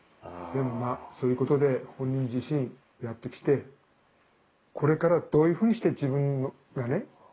でもまあそういうことで本人自身やってきてこれからどういうふうにして自分がね